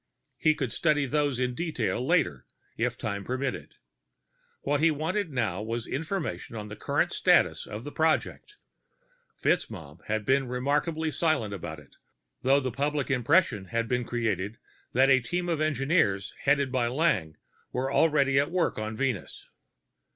He could study those in detail later, if time permitted. What he wanted now was information on the current status of the project; FitzMaugham had been remarkably silent about it, though the public impression had been created that a team of engineers headed by Lang was already at work on Venus.